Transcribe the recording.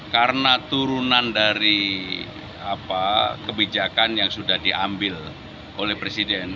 karena turunan dari kebijakan yang sudah diambil oleh presiden